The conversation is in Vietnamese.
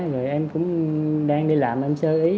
rồi em cũng đang đi làm em sơ ý